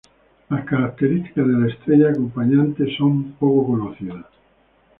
Las características de la estrella acompañante son poco conocidas.